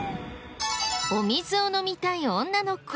お水を飲みたい女の子。